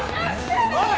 おい！